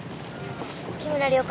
木村了解。